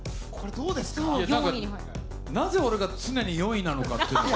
なぜ俺が常に４位なのかっていうのが。